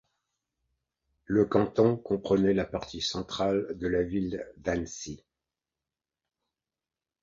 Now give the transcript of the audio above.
Le canton comprenait la partie centrale de la ville d'Annecy.